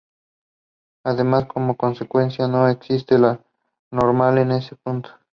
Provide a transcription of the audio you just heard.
Además, como consecuencia, no existe la normal en este punto.